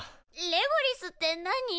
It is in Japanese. レゴリスって何？